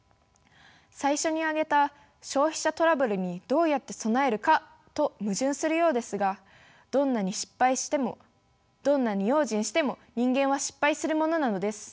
最初に挙げた「消費者トラブルにどうやって備えるか」と矛盾するようですがどんなに用心しても人間は失敗するものなのです。